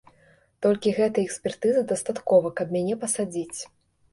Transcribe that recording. Толькі гэтай экспертызы дастаткова, каб мяне пасадзіць.